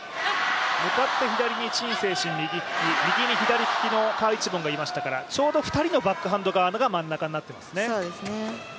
向かって左に陳清晨、右利き右に左利きの賈一凡がいましたから、ちょうど２人のバックハンド側が真ん中になっていますね。